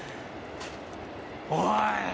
おい！